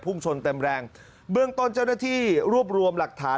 ชนเต็มแรงเบื้องต้นเจ้าหน้าที่รวบรวมหลักฐาน